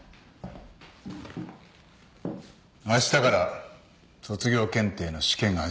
あしたから卒業検定の試験が始まる。